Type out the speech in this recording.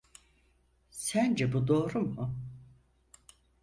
Sence bu doğru mu?